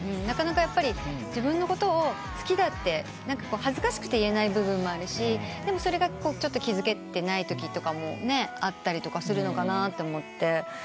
なかなか自分のことを好きだって恥ずかしくて言えない部分もあるしでもそれが気付けてないときとかもあったりとかするのかなと思って。